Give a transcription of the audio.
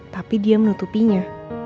tapi dia menutupinya